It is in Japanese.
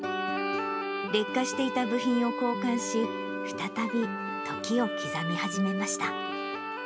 劣化していた部品を交換し、再び時を刻み始めました。